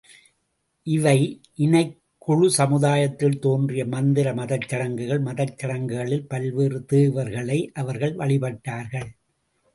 இவை இனக்குழு சமுதாயத்தில் தோன்றிய மந்திர, மதச்சடங்குகள், மதச்சடங்குகளில் பல்வேறு தேவர்களை அவர்கள் வழிபட்டார்கள்.